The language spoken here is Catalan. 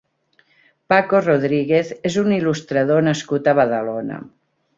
Paco Rodriguez és un il·lustrador nascut a Badalona.